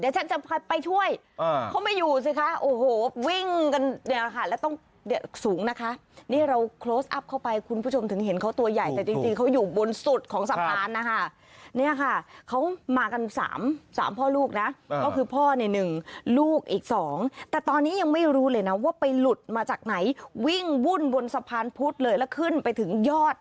เช่นเดียวกันอย่าไปใกล้เพราะว่ามันจะกัด